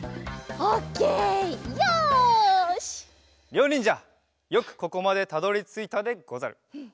りょうにんじゃよくここまでたどりついたでござる。